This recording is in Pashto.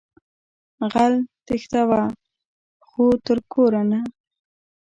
غل تېښتوه خو تر کوره نه